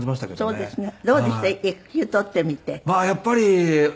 そうですよね。